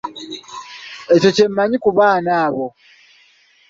Ekyo kye mmanyi ku baana abo.